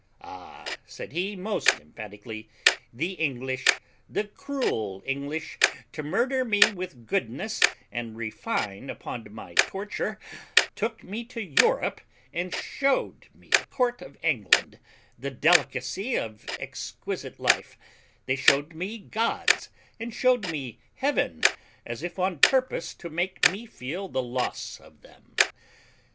"Ah!" said he, most emphatically, "the English, the cruel English, to murder me with goodness, and refine upon my torture took me to Europe, and showed me the court of England, the delicacy of exquisite life; they showed me gods, and showed me heaven, as if on purpose to make me feel the loss of them."